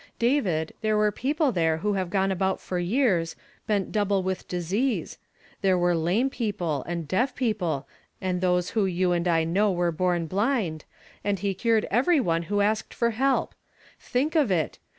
David, there were peo ple there who have gone about for years, bent double Nv'ith disease ; there were lame people, and deaf people, and those who you and I know Avere born blind, and he cured every one who asked for help. Think of it